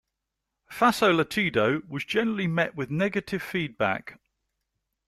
"Faso Latido" was generally met with negative feedback.